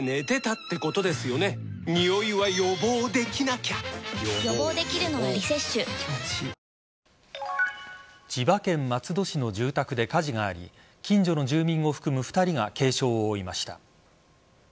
また、大阪府で２万３０９８人千葉県松戸市の住宅で火事があり近所の住民を含む２人が軽傷を負いました。